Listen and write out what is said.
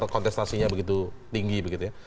kontestasinya begitu tinggi begitu ya